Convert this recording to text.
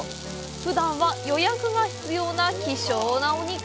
ふだんは予約が必要な希少なお肉。